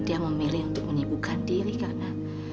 dia memilih untuk menyibukkan diri karena